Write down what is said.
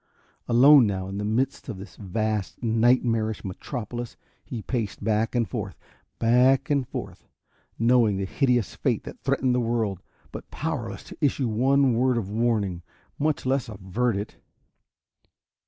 Alone now, in the midst of this vast, nightmarish metropolis, he paced back and forth, back and forth knowing the hideous fate that threatened the world but powerless to issue one word of warning, much less avert it.